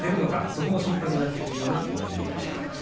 そこも心配になってくるような内容でした。